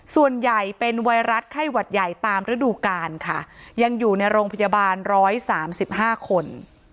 ส่วนใหญ่เป็นไวรัสไข้หวัดใหญ่ตามฤดูกาลค่ะยังอยู่ในโรงพยาบาล๑๓๕คน